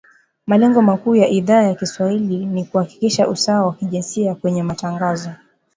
Malengo makuu ya Idhaa ya kiswahili ni kuhakikisha usawa wa kijinsia kwenye matangazo